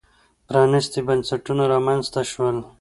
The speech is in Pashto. پرانېستي بنسټونه رامنځته شول.